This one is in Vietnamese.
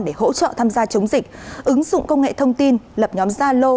để hỗ trợ tham gia chống dịch ứng dụng công nghệ thông tin lập nhóm gia lô